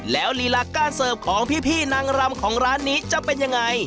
แล้วลีลาการเสิร์ฟของพี่นางรำของร้านนี้จะเป็นยังไง